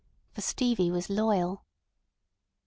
For Stevie was loyal. .